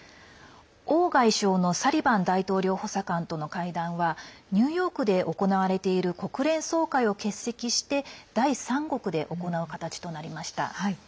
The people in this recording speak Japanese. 王外相のサリバン大統領補佐官との会談はニューヨークで行われている国連総会を欠席して第３国で行う形となりました。